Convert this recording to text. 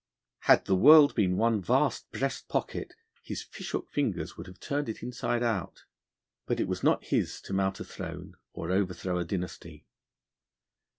Had the world been one vast breast pocket his fish hook fingers would have turned it inside out. But it was not his to mount a throne, or overthrow a dynasty.